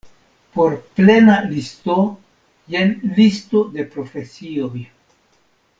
Por plena listo, jen Listo de profesioj.